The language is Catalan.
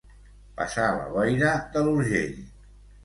Passar la boira de l'Urgell.